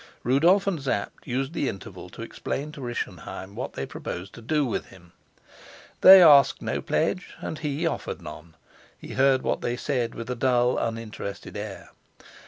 Rudolf and Sapt used the interval to explain to Rischenheim what they proposed to do with him. They asked no pledge, and he offered none. He heard what they said with a dulled uninterested air.